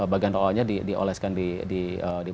bagian roanya dioleskan di